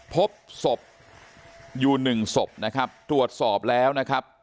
พบศพอยู่หนึ่งศพนะครับตรวจสอบแล้วนะครับ